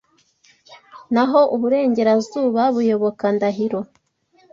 naho uburengerazuba buyoboka Ndahiro